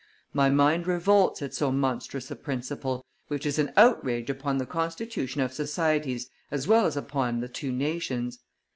My mind revolts at so monstrous a principle, which is an outrage upon the constitution of societies as well as upon the two nations.